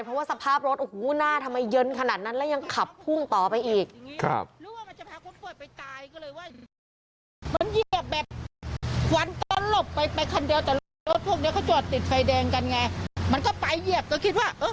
เพราะว่าสภาพรถโอ้โหหน้าทำไมเย็นขนาดนั้นแล้วยังขับพุ่งต่อไปอีก